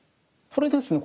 これですね